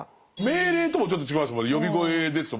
命令ともちょっと違います